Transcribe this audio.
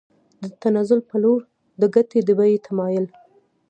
د تنزل په لور د ګټې د بیې تمایل